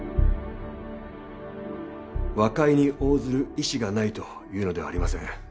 和解に応ずる意思がないというのではありません。